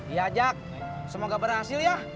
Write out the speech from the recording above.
iya jak semoga berhasil ya